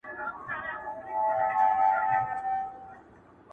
o گيله نيمايي جنگ دئ!